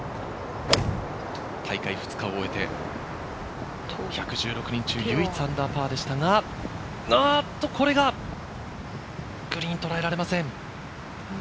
大会２日を終えて、１１６人中、唯一アンダーパーでしたが、これがグリーンをとらえられません。